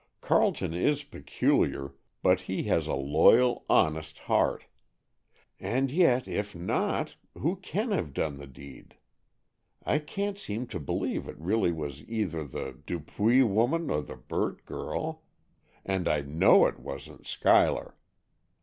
"Carleton is peculiar, but he has a loyal, honest heart. And yet, if not, who can have done the deed? I can't seem to believe it really was either the Dupuy woman or the Burt girl. And I know it wasn't Schuyler!